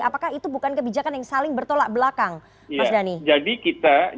apakah itu bukan kebijakan yang saling bertolak belakang mas dhani